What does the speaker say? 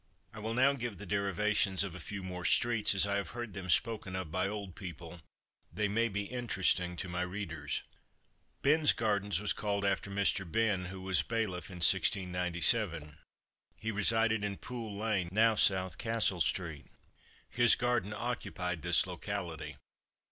I will now give the derivations of a few more streets, as I have heard them spoken of by old people; they may be interesting to my readers: Benn's Gardens was called after Mr. Benn, who was bailiff, in 1697. He resided in Pool lane, now South Castle street; his garden occupied this locality.